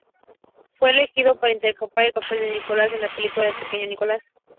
Fue elegido para interpretar el papel de Nicolás en la película El pequeño Nicolás.